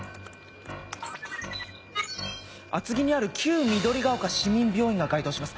厚木にある旧緑ヶ丘市民病院が該当します。